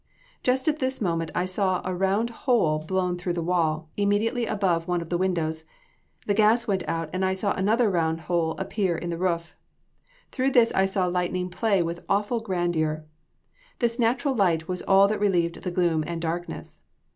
"Just at this moment I saw a round hole blown through the wall, immediately above one of the windows. The gas went out and then I saw another large round hole appear in the roof. Through this I saw the lightning play with awful grandeur. This natural light was all that relieved the gloom and darkness.